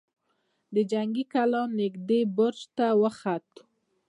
د جنګي کلا نږدې برج ته وخوت.